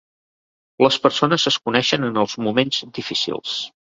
Les persones es coneixen en els moments difícils.